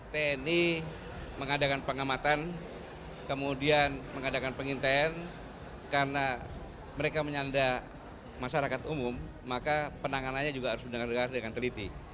tni mengadakan pengamatan kemudian mengadakan pengintaian karena mereka menyanda masyarakat umum maka penanganannya juga harus mendengar dengan teliti